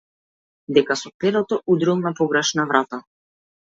Дека со перото удрил на погрешна врата.